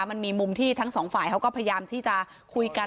มันมีมุมที่ทั้งสองฝ่ายเขาก็พยายามที่จะคุยกัน